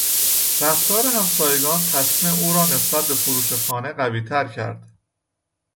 رفتار همسایگان تصمیم او را نسبت به فروش خانه قویتر کرد.